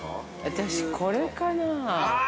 ◆私、これかなあ。